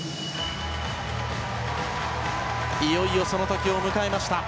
いよいよその時を迎えました。